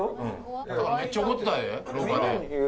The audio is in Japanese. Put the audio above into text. めっちゃ怒ってたで廊下で。